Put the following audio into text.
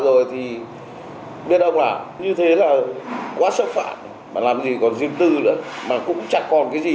rồi thì biết ông làm như thế là quá xâm phạm mà làm gì còn riêng tư nữa mà cũng chẳng còn cái gì